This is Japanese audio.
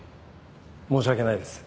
申し訳ないです。